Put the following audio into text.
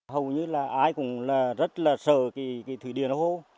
hầu như là ai cũng rất là sợ thủy điện hố hồ